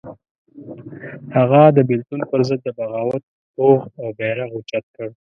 هغه د بېلتون پر ضد د بغاوت توغ او بېرغ اوچت کړ.